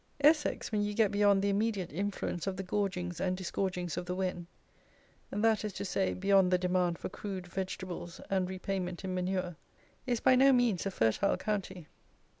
Essex, when you get beyond the immediate influence of the gorgings and disgorgings of the Wen; that is to say, beyond the demand for crude vegetables and repayment in manure, is by no means a fertile county.